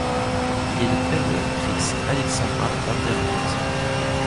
Il est le père de l'actrice Alexandra Vandernoot.